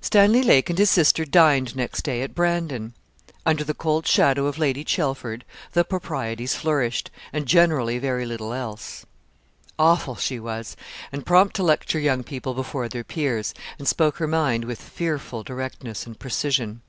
Stanley Lake and his sister dined next day at Brandon. Under the cold shadow of Lady Chelford, the proprieties flourished, and generally very little else. Awful she was, and prompt to lecture young people before their peers, and spoke her mind with fearful directness and precision.